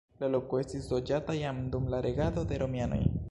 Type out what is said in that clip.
La loko estis loĝata jam dum la regado de romianoj.